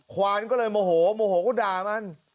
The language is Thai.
ควานก็เลยโมโหโมโหก็ด่ามัน